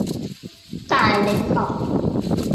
大檸樂